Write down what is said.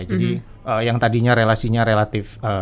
jadi yang tadinya relasinya relatif